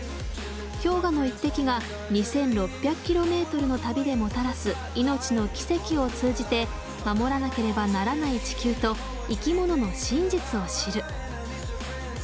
氷河の一滴が２，６００キロメートルの旅でもたらす命の奇跡を通じて守らなければならない地球と生き物の真実を知る。